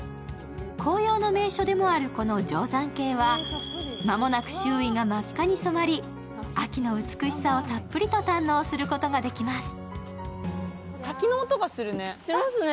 紅葉の名所でもこの定山渓は間もなく周囲が真っ赤に染まり、秋の美しさをたっぷりと堪能することができます。